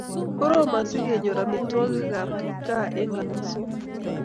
Korom sikenyor amitwogikab kipkaa eng nganasok